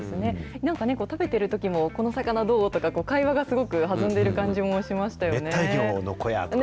なんかね、食べているときもこの魚どう？とか、会話がすごくはずんでいる感じもしましたね。